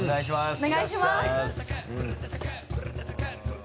お願いします。